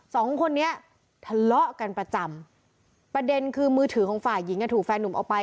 สองคนนี้ทะเลาะกันประจำประเด็นคือมือถือของฝ่ายหญิงอ่ะถูกแฟนหนุ่มเอาไป